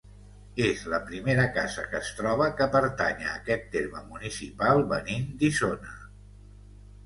És la primera casa que es troba que pertany a aquest terme municipal venint d'Isona.